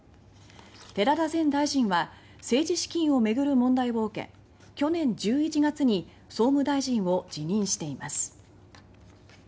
寺田前大臣は政治資金を巡る問題を受け去年１１月に総務大臣を辞任しています。